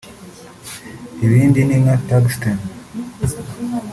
Ibindi ni nka tungsten